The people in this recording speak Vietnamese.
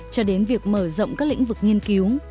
cho đến việc mở rộng các lĩnh vực nghiên cứu